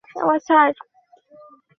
Rooster, flare মারো।